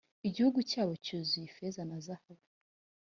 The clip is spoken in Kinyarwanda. igihugu cyabo cyuzuye ifeza na zahabu